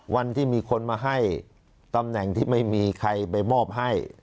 วันที่มีคนมาให้ตำแหน่งที่ไม่มีใครไปมอบให้